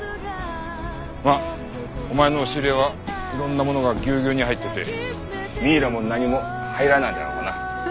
まあお前の押し入れはいろんなものがギュウギュウに入っててミイラも何も入らないだろうがな。